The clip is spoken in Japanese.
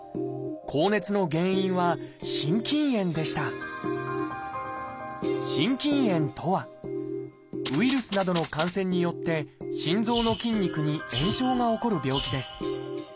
高熱の原因は心筋炎でした「心筋炎」とはウイルスなどの感染によって心臓の筋肉に炎症が起こる病気です。